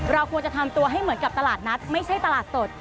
เราควรจะทำตัวให้เหมือนกับตลาดนัดไม่ใช่ตลาดสด